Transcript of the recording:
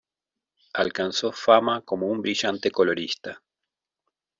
Alcanzó fama como un brillante colorista.